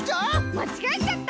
まちがえちゃった！